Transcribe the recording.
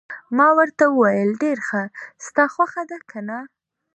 ما ورته وویل: ډېر ښه، ستا خوښه ده، که نه؟